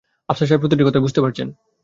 আফসার সাহেব তাদের প্রতিটি কথা বুঝতে পারছেন।